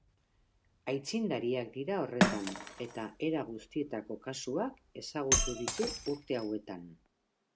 Aitzindariak dira horretan, eta era guztietako kasuak ezagutu ditu urte hauetan.